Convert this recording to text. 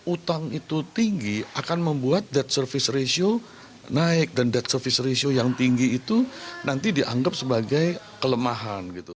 utang itu tinggi akan membuat debt service ratio naik dan dead service ratio yang tinggi itu nanti dianggap sebagai kelemahan gitu